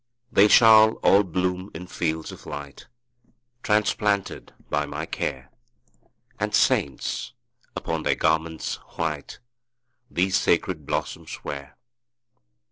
``They shall all bloom in fields of light, Transplanted by my care, And saints, upon their garments white, These sacred blossoms wear.''